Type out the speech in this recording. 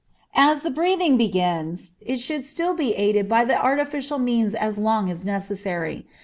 As the breathing begins, it should be still aided by the artificial means as long as necessary.